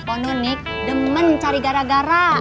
pak nunik demen cari gara gara